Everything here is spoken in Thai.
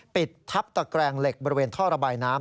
ปิดทับตะแกรงเหล็กบริเวณท่อระบายน้ำ